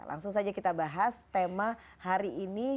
langsung saja kita bahas tema hari ini